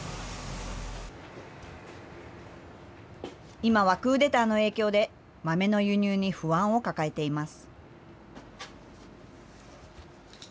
今はクーデターの影響で、豆の輸入に不安を抱えています。